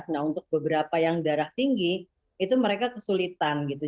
nah untuk beberapa yang darah tinggi itu mereka kesulitan gitu